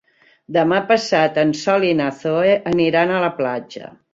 Demà passat en Sol i na Zoè aniran a la platja.